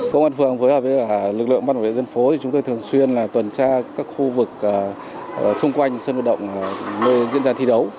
công an phường phối hợp với lực lượng bắt đổi dân phố thì chúng tôi thường xuyên là tuần tra các khu vực xung quanh sân vật động nơi diễn ra thi đấu